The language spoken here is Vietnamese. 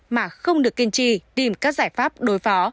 mà không được kiên trì tìm các giải pháp đối phó